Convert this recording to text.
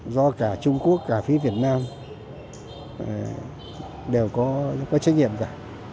do cả trung quốc cả phía việt nam đều có trách nhiệm cả